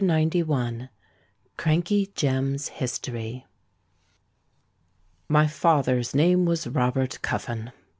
CHAPTER CXCI. CRANKEY JEM'S HISTORY. My father's name was Robert Cuffin.